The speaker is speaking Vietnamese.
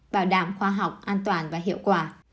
bảo đảm khoa học an toàn và hiệu quả